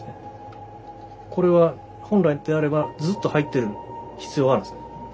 これは本来であればずっと入ってる必要あるんですね。